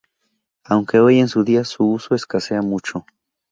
Aunque hoy en día su uso escasea mucho.